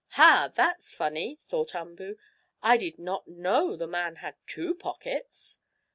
"Ha! That's funny!" thought Umboo. "I did not know the man had two pockets!"